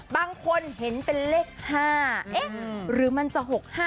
บางคนเห็นเป็นเลข๕หรือมันจะ๖๕๓๓๕๖๕๖๓